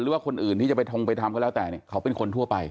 หรือว่าคนอื่นที่จะไปทงไปทำก็แล้วแต่เนี่ยเขาเป็นคนทั่วไป